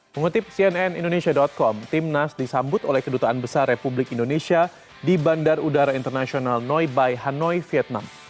mengutip cnnindonesia com tim nas disambut oleh kedutaan besar republik indonesia di bandar udara internasional noi bai hanoi vietnam